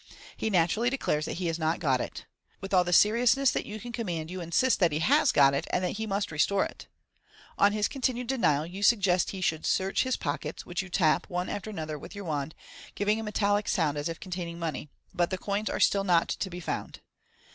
He naturally declares that he has not got it. With all the seriousness that you can command, you insist that he has it, and that he must restore it. On his continued denial you suggest that he should search his pockets, which you tap, one after another, with your wand, each giving a metallic sound as if containing money $ but the coins are still not to be found.